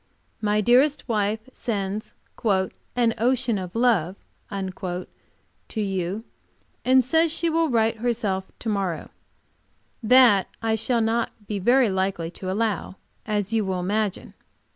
My dearest wife sends "an ocean of love" to you, and says she will write her self to morrow. That I shall not be very likely to allow, as you will imagine.